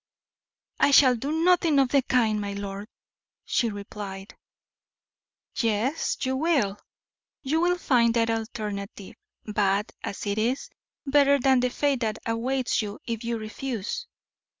"I shall do nothing of the kind, my lord," she replied. "Yes, you will. You will find that alternative, bad as it is, better than the fate that awaits you if you refuse.